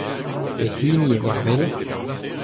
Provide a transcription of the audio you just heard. Pehini eo ar wellañ ?